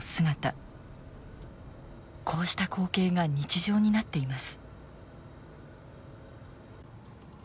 こうした光景が日常になっています。